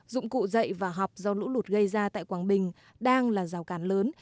dụng cụ dạy và học do lũ lụt gây ra tại quảng bình đang là rào cản lớn